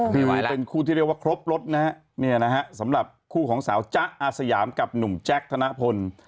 เป็นคู่ที่เรียกว่าครบรถนะสำหรับคู่ของสาวจ๊ะอาสยามกับหนุ่มแจ๊กทนพล